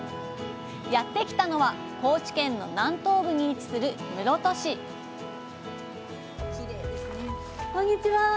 やって来たのは高知県の南東部に位置する室戸市こんにちは！